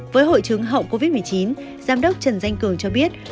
với hội chứng hậu covid một mươi chín giám đốc trần danh cường cho biết